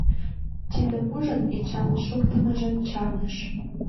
Тидым ужын, Эчан шоктымыжым чарныш.